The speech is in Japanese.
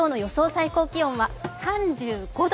最高気温は３５度。